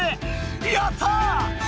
やった！